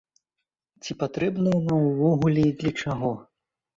Ці патрэбная яна ўвогуле і для чаго?